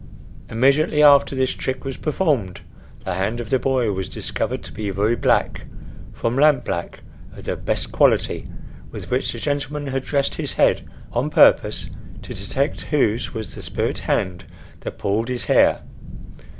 "Immediately after this trick was performed, the hand of the boy was discovered to be very black from lamp black, of the best quality, with which the gentleman had dressed his head on purpose to detect whose was the 'spirit hand' that pulled his hair.